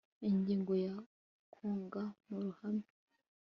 Ingingo ya Kunga mu ruhame